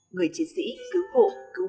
người chiến sĩ cứu hộ